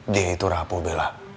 dia itu rapuh bella